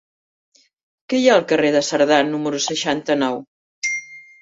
Què hi ha al carrer de Cerdà número seixanta-nou?